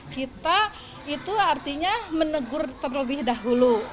kita itu artinya menegur terlebih dahulu